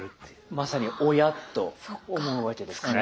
まさに「おや？」と思うわけですね。